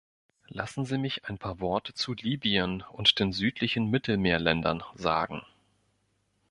Lassen Sie mich ein paar Worte zu Libyen und den südlichen Mittelmeerländern sagen.